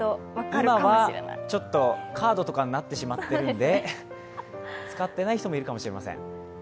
今はカードとかになってしまっているので、使っていない人もいるかもしれません。